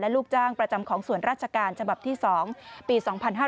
ลูกจ้างประจำของส่วนราชการฉบับที่๒ปี๒๕๕๙